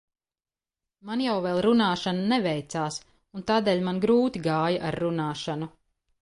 Man jau vēl runāšana neveicās un tādēļ man grūti gāja ar runāšanu.